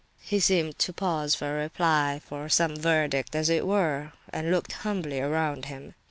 He seemed to pause for a reply, for some verdict, as it were, and looked humbly around him.